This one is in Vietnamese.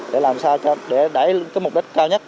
để làm sao để đẩy cái mục đích cao nhất